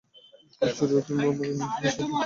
ফুল ছিঁড়ে কিংবা পায়ের নিচে পিষে ওদের কষ্ট দেওয়া ঠিক নয়।